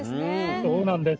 そうなんです。